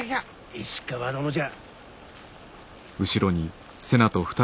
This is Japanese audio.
石川殿じゃ。